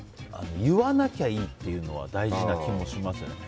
言わなきゃいいっていうのは大事な気もしますね。